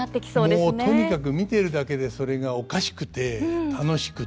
もうとにかく見ているだけでそれがおかしくて楽しくて。